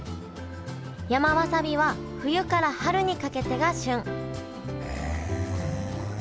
山わさびは冬から春にかけてが旬へえ。